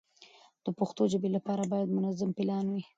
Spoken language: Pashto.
د پښتو ژبې لپاره باید منظم پلان وي.